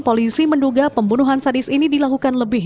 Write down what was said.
polisi menduga pembunuhan sadis ini dilakukan lebih